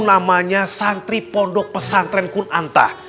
namanya santri pondok pesantren kun antah